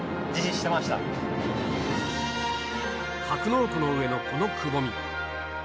格納庫の上のこのくぼみ。